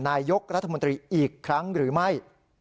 นายกรัฐมนตรีอีกครั้งหรือไม่